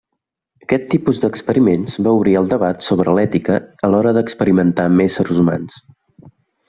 Aquest tipus d'experiments van obrir el debat sobre l'ètica a l'hora d'experimentar amb éssers humans.